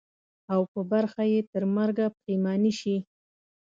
او په برخه یې ترمرګه پښېماني سي.